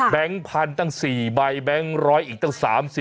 พันธุ์ตั้ง๔ใบแบงค์ร้อยอีกตั้ง๓๐